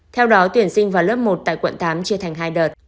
theo đó tuyển sinh vào lớp một tại quận tám chia thành hai đợt